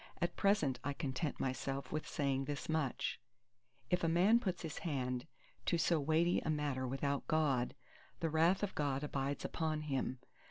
At present I content myself with saying this much: If a man put his hand to so weighty a matter without God, the wrath of God abides upon him.